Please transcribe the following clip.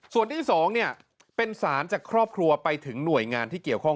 ส่วนที่๒เป็นสารจากครอบครัวไปถึงหน่วยงานที่เกี่ยวข้อง